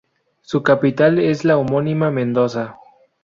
Su capital es la homónima Mendoza.